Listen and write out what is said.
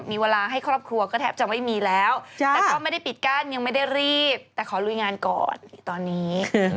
มีเวลาให้ครอบครัวก็แทบจะไม่มีแล้วแต่ก็ไม่ได้ปิดกั้นยังไม่ได้รีบแต่ขอลุยงานก่อนตอนนี้